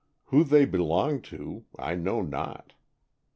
Who they belonged to I know not.